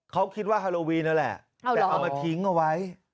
เขาคิดว่าฮาโลวีนนั่นแหละแต่เอามาทิ้งเอาไว้